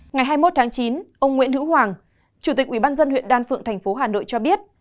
ngày hai mươi một tháng chín ông nguyễn hữu hoàng chủ tịch ubnd huyện đan phượng thành phố hà nội cho biết